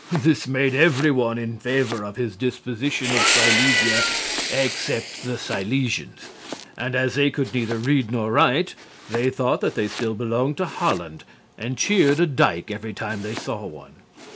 This made everyone in favor of his disposition of Silesia except the Silesians. And, as they could neither read nor write, they thought that they still belonged to Holland and cheered a dyke every time they saw one.